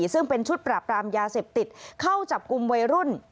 ซึ่งเป็นชุดปราบรามยาเสพติดเข้าจับกลุ่มวัยรุ่น